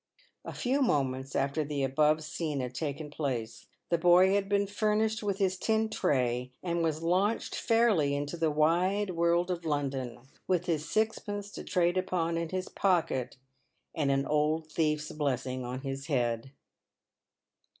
A few moments after the above scene had taken place the boy had been furnished with his tin tray, and was launched fairly into the wide world of London, with sixpence to trade upon in his pocket and an old thief's blessing on his head.